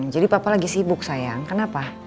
jadi papa lagi sibuk sayang kenapa